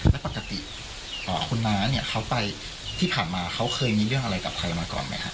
แล้วปกติคุณน้าเนี่ยเขาไปที่ผ่านมาเขาเคยมีเรื่องอะไรกับใครมาก่อนไหมครับ